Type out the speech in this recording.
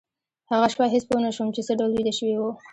هغه شپه هېڅ پوه نشوم چې څه ډول ویده شوي وو